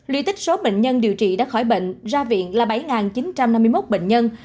lý tích số bệnh nhân điều trị đã khỏi bệnh ra viện là bảy chín trăm năm mươi một bệnh nhân